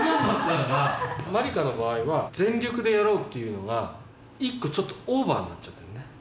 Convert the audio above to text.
まりかの場合は全力でやろうっていうのが一個ちょっとオーバーになっちゃってるね。